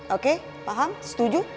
oke paham setuju